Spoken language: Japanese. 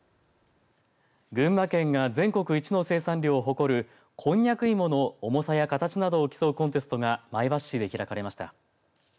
群馬県が全国一の生産量を誇るこんにゃく芋の重さや形などを競うコンテストが前橋市で開かれました。